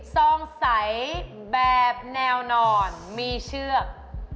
ซองใสแบบแนวนอนมีเชือก